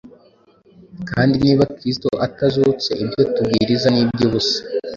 kandi niba kristo atazutse ibyo tubwiriza ni iby’ubusa,